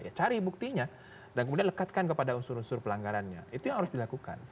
ya cari buktinya dan kemudian lekatkan kepada unsur unsur pelanggarannya itu yang harus dilakukan